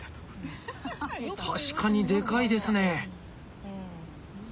確かにでかいですね。